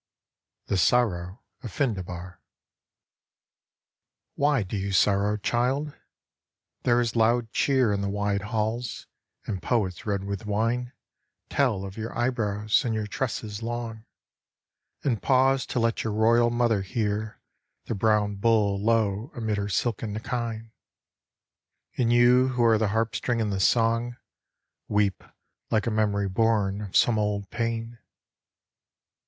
THE SORROW OF FINDEBAR " Why do you sorrow, child ? There is loud cheer In the wide halls, and poets red with wine Tell of your eyebrows and your tresses long, And pause to let your royal mother hear The brown bull low amid her silken kine. And you who are the harpstring and the song Weep like a memory born of some old pain."